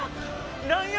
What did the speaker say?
何や？